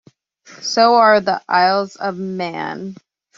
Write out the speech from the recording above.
So are the Isle of Man.